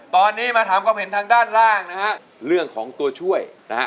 ตอนนี้มาถามความเห็นทางด้านล่างนะฮะเรื่องของตัวช่วยนะฮะ